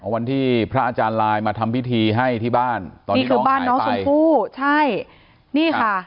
วันที่พระอาจารย์หลายมาทำพิธีให้ที่บ้านสู้ใช่นี่ค่ะ